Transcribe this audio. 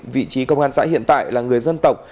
vị trí công an xã hiện tại là người dân tộc